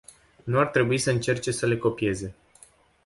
Nu ar trebui să încerce să le copieze.